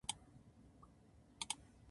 ショート動画で時間を浪費してしまった。